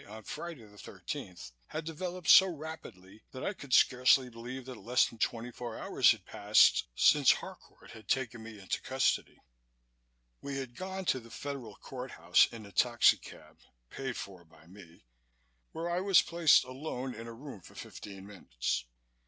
on Friday the thirteenth, had developed so rapidly that I could scarcely believe that less than twenty four hours had passed since Harcourt had taken me into custody. We had gone to the Federal Court House in a taxicab (paid for by me) where I was placed alone in a room for fifteen minutes.